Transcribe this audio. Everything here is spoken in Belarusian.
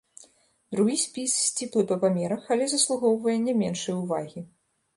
Другі спіс сціплы па памерах, але заслугоўвае не меншай увагі.